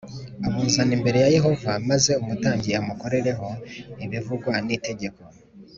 Amuzana imbere ya Yehova maze umutambyi amukorereho ibivugwa n’itegeko